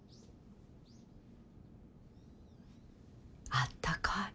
あったかい。